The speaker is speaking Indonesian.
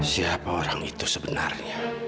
siapa orang itu sebenarnya